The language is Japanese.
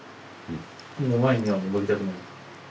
もう前には戻りたくない？